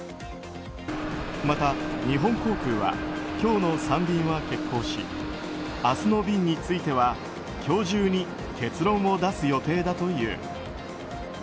また、日本航空は今日の３便は欠航し明日の便については今日中に結論を出す予定だという。